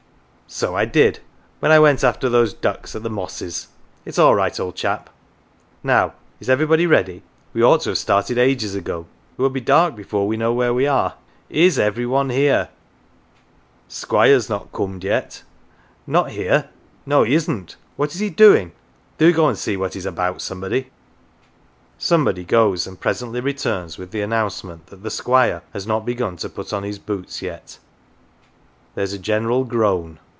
1 "" So I did when I went after those ducks at the Mosses. It's all right, old chap." " Now, is everybody ready ? We ought to have started ages ago. It will be dark before we know where we are. Is every one here ?"" Squired not corned yet." " Not here ? No, he isn't. What is he doing ? Do go and see what he's about, somebody.'" 252 MATES Somebody goes, and presently returns with the announcement that the Squire has not begun to put on his boots yet. There is a general groan.